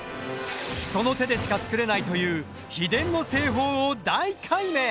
人の手でしかつくれないという秘伝の製法を大解明！